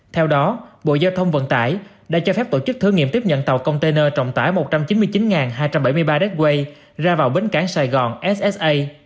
theo đó bộ giao thông vận tải đã cho phép tổ chức thử nghiệm tiếp nhận tàu container trọng tải một trăm chín mươi chín hai trăm bảy mươi ba dack quây ra vào bến cảng sài gòn ssa